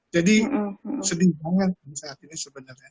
jadi sedih banget saat ini sebenarnya